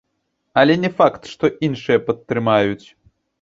Але не факт, што іншыя падтрымаюць.